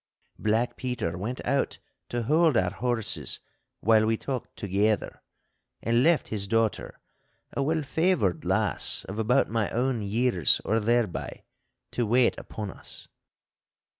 Black Peter went out to hold our horses while we talked together, and left his daughter, a well favoured lass of about my own years or thereby, to wait upon us.